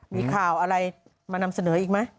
มีข่าวอะไรมานำเสนออีกไหม